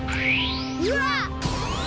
うわっ！